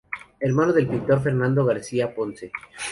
Hermano del pintor Fernando García Ponce.